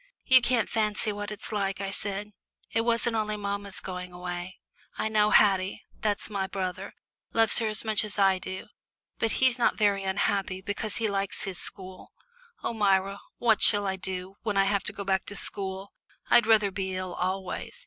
"You can't fancy what it's like," I said. "It wasn't only mamma's going away; I know Haddie that's my brother loves her as much as I do, but he's not very unhappy, because he likes his school. Oh, Myra, what shall I do when I have to go back to school? I'd rather be ill always.